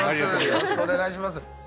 よろしくお願いします。